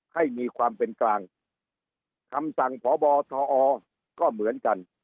ให้มีความเป็นกลางคำสั่งพบทอก็เหมือนกัน